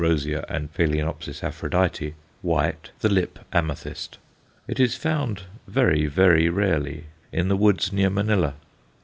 rosea_ and Ph. Aphrodite, white, the lip amethyst. It is found very, very rarely in the woods near Manilla.